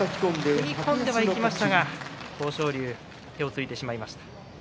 踏み込んではいきましたが豊昇龍手をついてしまいました。